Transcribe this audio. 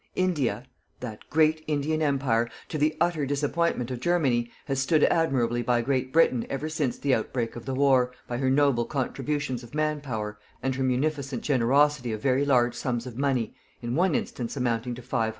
India, that great Indian Empire to the utter disappointment of Germany, has stood admirably by Great Britain ever since the outbreak of the War, by her noble contributions of man power and her munificent generosity of very large sums of money, in one instance amounting to $500,000,000.